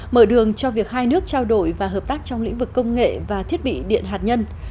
mở đường cho việc hai nước trao đổi và hợp tác trong lĩnh vực công nghệ và thiết bị điện hạt nhân